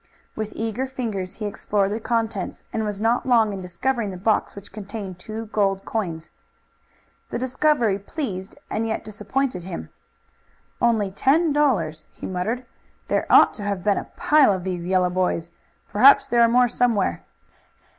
With eager fingers he explored the contents, and was not long in discovering the box which contained the two gold coins. The discovery pleased and yet disappointed him. "Only ten dollars!" he muttered. "There ought to have been a pile of these yellow boys. Perhaps there are more somewhere."